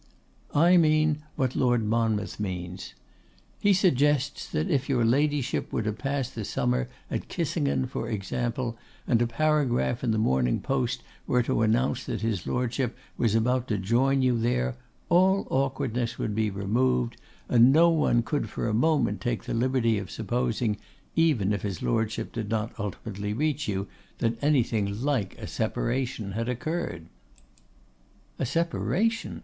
'I mean what Lord Monmouth means. He suggests that if your Ladyship were to pass the summer at Kissengen, for example, and a paragraph in the Morning Post were to announce that his Lordship was about to join you there, all awkwardness would be removed; and no one could for a moment take the liberty of supposing, even if his Lordship did not ultimately reach you, that anything like a separation had occurred.' 'A separation!